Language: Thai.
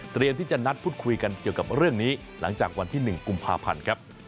ที่จะนัดพูดคุยกันเกี่ยวกับเรื่องนี้หลังจากวันที่๑กุมภาพันธ์ครับ